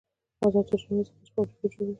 آزاد تجارت مهم دی ځکه چې فابریکې جوړوي.